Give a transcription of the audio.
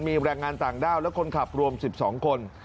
มีแรงงานต่างด้าวและคนขับรวม๑๒คน